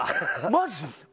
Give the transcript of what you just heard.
マジ？